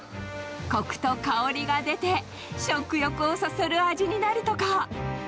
こくと香りが出て、食欲をそそる味になるとか。